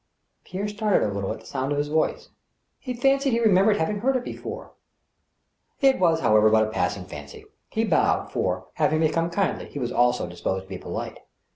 Pierre started a little at the sound of his voice. He fancied that he remembered having heard it before. It was, however, but a passing fancy. He bowed, for, having become kindly, he was also disposed to be polite.